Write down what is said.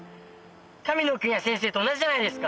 神野くんや先生と同じじゃないですか！